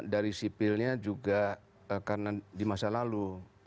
dari sipilnya juga karena di masa lalu